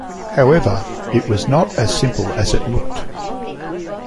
However, it was not as simple as it looked.